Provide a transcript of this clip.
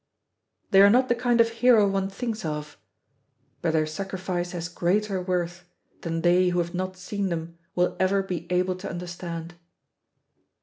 They are not the kind of hero one thinks of, but their sacrifice has greater worth than they who have not seen them will ever be able to understand.